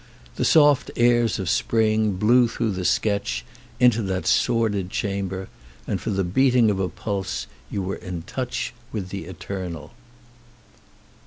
The soft airs of spring blew through the sketch into that sordid chamber, and for the beating of a pulse you were in touch with the Eternal.